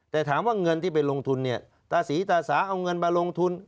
แต่ถามว่าเงินที่ไปลงทุนเนี่ยตาศรีตาสาเอาเงินมาลงทุน